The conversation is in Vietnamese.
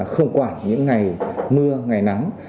không quản những ngày mưa ngày nắng